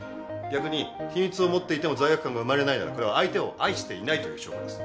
逆に秘密を持っていても罪悪感が生まれないならこれは相手を愛していないという証拠です。